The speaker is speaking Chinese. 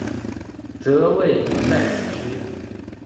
则位在此区。